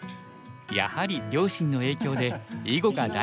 やはり両親の影響で囲碁が大好き。